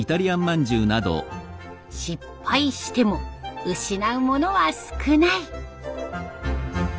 失敗しても失うものは少ない。